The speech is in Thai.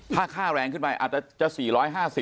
ถ้าค่าแรงขึ้นไปอาจจะ๔๕๐บาท